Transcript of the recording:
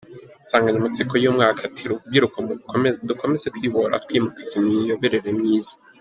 Insanganyamatsiko y’uyu mwaka ni: “Rubyiruko, Dukomeze Kwibohora Twimakaza Imiyoborere Myiza.